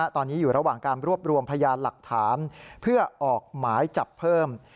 ตอนนี้อยู่ระหว่างการรวบรวมพยานหลักฐานเพื่อออกหมายจับเพิ่ม